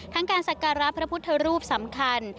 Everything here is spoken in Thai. ทั้งการสักการะพระพุทธรูปสำคัญ